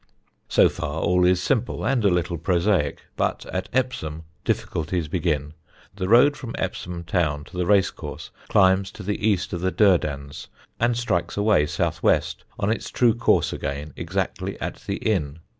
So far all is simple and a little prosaic, but at Epsom difficulties begin. The road from Epsom town to the racecourse climbs to the east of the Durdans and strikes away south west, on its true course again, exactly at the inn.